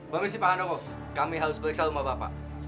bami sipahano kami harus periksa rumah bapak